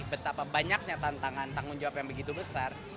betapa banyaknya tantangan tanggung jawab yang begitu besar